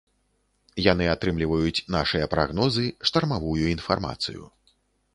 Яны атрымліваюць нашыя прагнозы, штармавую інфармацыю.